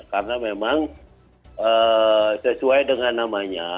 karena memang sesuai dengan namanya